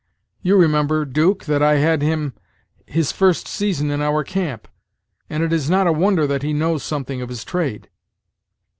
You remember, 'Duke, that I had him his first season in our camp; and it is not a wonder that he knows something of his trade."